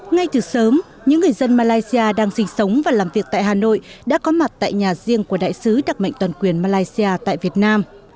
ngay từ sớm những người dân malaysia đang sinh sống và làm việc tại hà nội đã có mặt tại nhà riêng của đại sứ đặc mệnh toàn quyền malaysia tại việt nam